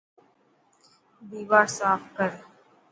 ديوار ساف ڪر.